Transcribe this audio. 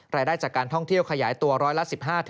รายได้จากการท่องเที่ยวขยายตัวร้อยละ๑๕